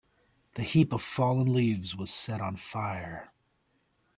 The heap of fallen leaves was set on fire.